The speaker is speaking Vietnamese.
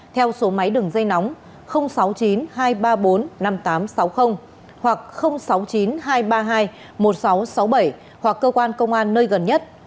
theo số máy đường dây nóng sáu mươi chín hai trăm ba mươi bốn năm nghìn tám trăm sáu mươi hoặc sáu mươi chín hai trăm ba mươi hai một nghìn sáu trăm sáu mươi bảy hoặc cơ quan công an nơi gần nhất